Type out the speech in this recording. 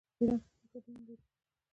ایران ښه هوټلونه لري.